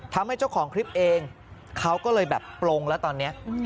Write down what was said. ทำให้เจ้าของคลิปเองเขาก็เลยแบบปลงแล้วตอนนี้